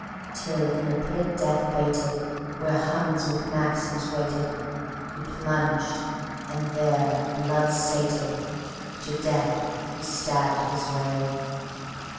_Till in a pit death baited, Where Huns with Maxims waited, He plunged ... and there, blood sated, To death he stabbed his way.